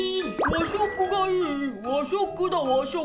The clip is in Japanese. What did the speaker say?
和食がいい和食だ和食。